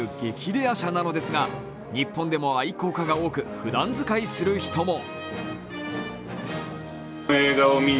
レア車なのですが、日本でも愛好家が多く、ふだん使いする人も。